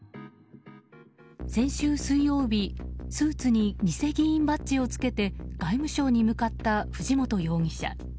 先週水曜日、スーツに偽議員バッジをつけて外務省に向かった藤本容疑者。